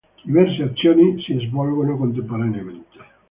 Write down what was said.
Diverse azioni si svolgono contemporaneamente.